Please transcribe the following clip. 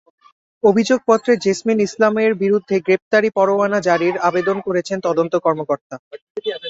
অভিযোগপত্রে জেসমিন ইসলামের বিরুদ্ধে গ্রেপ্তারি পরোয়ানা জারির আবেদন করেছেন তদন্ত কর্মকর্তা।